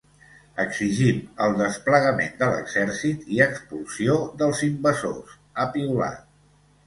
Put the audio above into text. “Exigim el desplegament de l’exèrcit i l’expulsió dels invasors”, ha piulat.